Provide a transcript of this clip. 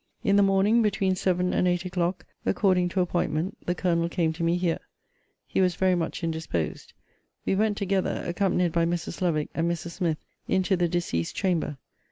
In the morning, between seven and eight o'clock, according to appointment, the Colonel came to me here. He was very much indisposed. We went together, accompanied by Mrs. Lovick and Mrs. Smith, into the deceased's chamber.